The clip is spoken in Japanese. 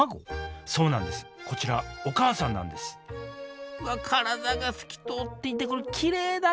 そうなんですこちらお母さんなんですうわっ体が透き通っていてこれきれいだね！